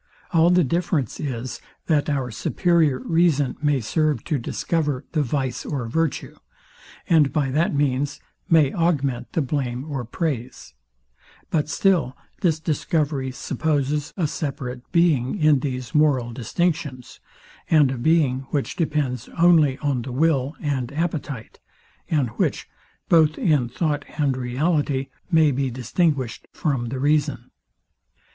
All the difference is, that our superior reason may serve to discover the vice or virtue, and by that means may augment the blame or praise: But still this discovery supposes a separate being in these moral distinctions, and a being, which depends only on the will and appetite, and which, both in thought and reality, may be distinguished from the reason.